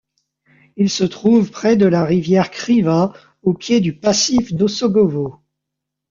Il se trouve près de la rivière Kriva, au pied du passif d'Osogovo.